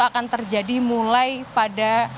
akan terjadi mulai pada